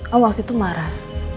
oh waktu itu marah